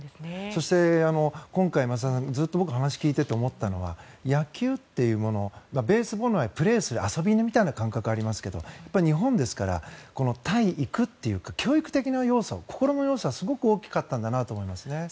そして、今回僕がずっと話を聞いていて思ったのは野球というものベースボールはプレーする遊びみたいな感覚がありますが日本ですから体育というか教育的な要素心の要素が大きかったんだと思います。